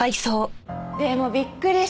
でもびっくりしたわ。